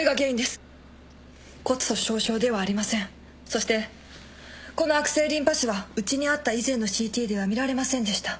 そしてこの悪性リンパ腫はうちにあった以前のＣＴでは見られませんでした。